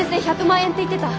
１００万円って言ってた。